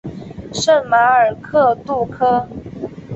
圣马尔克杜科。